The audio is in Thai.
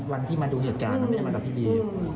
อ๋อวันที่มันดูเหยียดจานมันไม่ได้มากับพี่บี